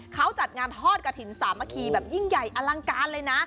เขาจัดงานทอดกระถิ่นสามัคคีแบบยิ่งใหญ่อลังการเลยนะ